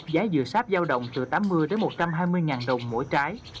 giá dừa sáp giao động từ tám mươi đến một trăm hai mươi ngàn đồng mỗi trái